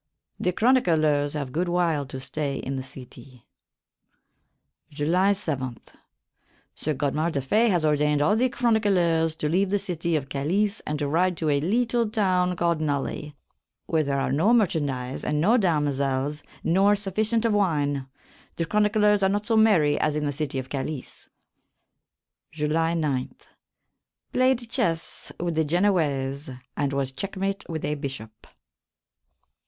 The chronyclers have good wyl to stay in the cytie. July 7. Sir Godmar de Fay has ordayned all the chronyclers to leave the cytie of Calys and to ride to a lytell town called Nully, where there are no merchauntdyse, and no damosels, nor suffycent of wyne. The chronyclers are not so merrie as in the cytie of Calys. July 9. Played chesse with the Genowayse and was checkmate with a bishop.